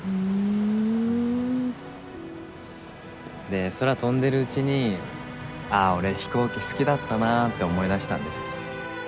で空飛んでるうちにああ俺飛行機好きだったなって思い出したんです。